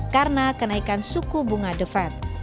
karena kenaikan suku bunga the fed